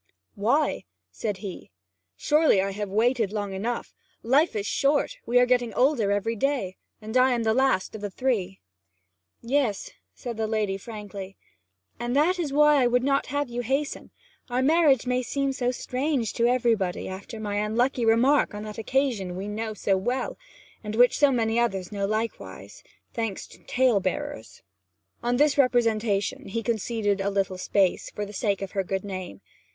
'Why?' said he. 'Surely I have waited long! Life is short; we are getting older every day, and I am the last of the three.' 'Yes,' said the lady frankly. 'And that is why I would not have you hasten. Our marriage may seem so strange to everybody, after my unlucky remark on that occasion we know so well, and which so many others know likewise, thanks to talebearers.' On this representation he conceded a little space, for the sake of her good name.